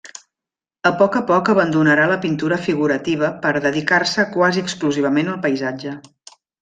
A poc a poc abandonarà la pintura figurativa per dedicar-se quasi exclusivament al paisatge.